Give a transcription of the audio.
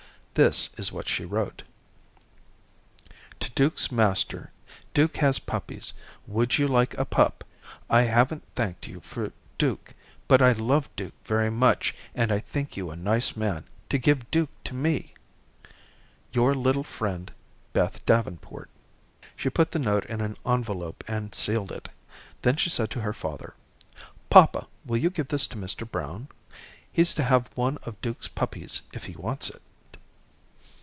This is what she wrote: "To dukes master duke has puppies wood you like a pup i havent thanked you for duke but i love duke very much and think you a nice man to give duke to me "your little friend "Beth davenport." She put the note in an envelope and sealed it. Then she said to her father: "Papa, will you give this to Mr. Brown? He's to have one of Duke's puppies if he wants it."